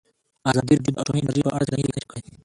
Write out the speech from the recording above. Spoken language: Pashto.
ازادي راډیو د اټومي انرژي په اړه څېړنیزې لیکنې چاپ کړي.